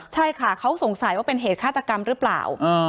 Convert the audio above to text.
ใช่ค่ะเขาสงสัยว่าเป็นเหตุฆาตกรรมหรือเปล่า